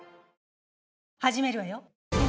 始めるわよ。